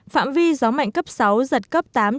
phạm vi gió mạnh cấp sáu giật cấp tám trở lên